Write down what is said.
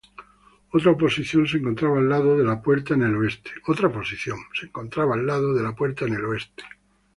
Otra posición se encontraba al lado de la puerta en el oeste.